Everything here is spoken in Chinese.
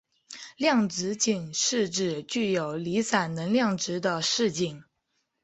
量子阱是指具有离散能量值的势阱。